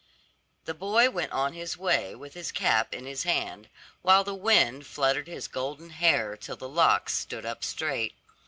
The boy went on his way with his cap in his hand, while the wind fluttered his golden hair till the locks stood up straight.